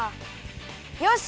よし！